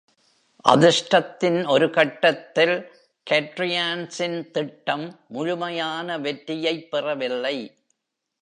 அதிர்ஷ்டத்தின் ஒரு கட்டத்தில், Kadriansன் திட்டம் முழுமையான வெற்றியைப் பெறவில்லை.